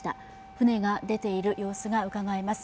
船が出ている様子がうかがえます。